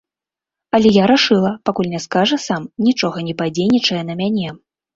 Але я рашыла, пакуль не скажа сам, нічога не падзейнічае на мяне.